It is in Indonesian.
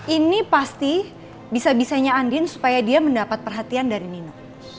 ini pasti bisa bisanya andin supaya dia mendapat perhatian dari nino